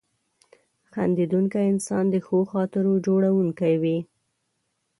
• خندېدونکی انسان د ښو خاطرو جوړونکی وي.